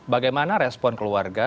bagaimana respon keluarga